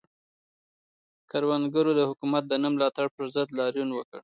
کروندګرو د حکومت د نه ملاتړ پر ضد لاریون وکړ.